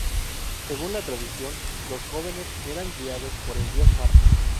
Según la tradición, los jóvenes eran guiados por el dios Marte.